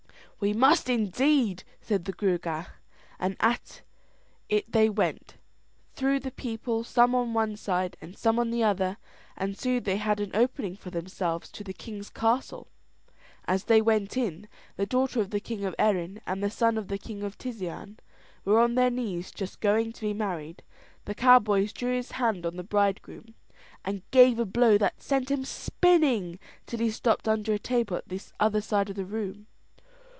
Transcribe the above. "We must indeed," said the Gruagach; and at it they went, threw the people some on one side and some on the other, and soon they had an opening for themselves to the king's castle. As they went in, the daughter of the king of Erin and the son of the king of Tisean were on their knees just going to be married. The cowboy drew his hand on the bride groom, and gave a blow that sent him spinning till he stopped under a table at the other side of the room.